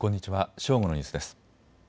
正午のニュースです。